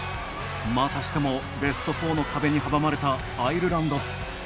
またしてもベスト４の壁に阻まれた、アイルランド。